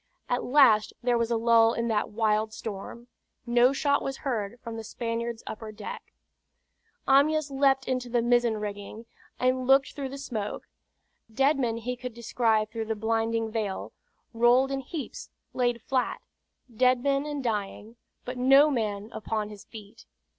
At last there was a lull in that wild storm. No shot was heard from the Spaniard's upper deck. Amyas leaped into the mizzen rigging, and looked through the smoke. Dead men he could descry through the blinding veil, rolled in heaps, laid flat; dead men and dying; but no man upon his feet.